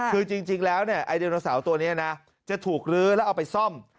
คือจริงแล้วไอดโนเสาร์ตัวนี้นะจะถูกลื้อแล้วเอาไปซ่อม